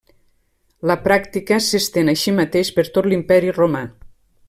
La pràctica s'estén així mateix per tot l'Imperi Romà.